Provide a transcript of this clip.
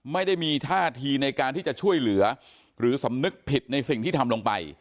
ไม่ได้มีท่าทีในการที่จะช่วยเหลือหรือสำนึกผิดในสิ่งที่ทำลงไป